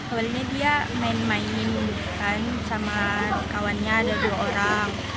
awalnya dia main mainin sama kawannya ada dua orang